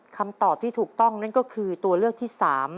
คำตอบที่ถูกต้องนั่นก็คือตัวเลือกที่๓